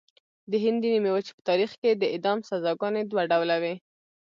د هند د نیمې وچې په تاریخ کې د اعدام سزاګانې دوه ډوله وې.